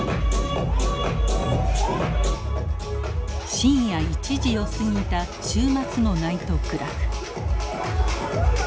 深夜１時を過ぎた週末のナイトクラブ。